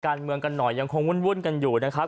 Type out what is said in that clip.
การเมืองกันหน่อยยังคงวุ่นกันอยู่นะครับ